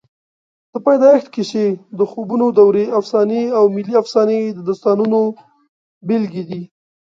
د پیدایښت کیسې، د خوبونو دورې افسانې او ملي افسانې د داستانونو بېلګې دي.